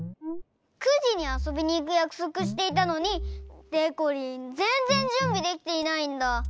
９じにあそびにいくやくそくしていたのにでこりんぜんぜんじゅんびできていないんだ。